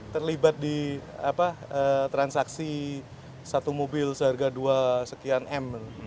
terlibat di transaksi satu mobil seharga dua sekian m